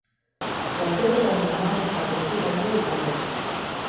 Lasterketa honen hamabosgarren ekitaldia izango da.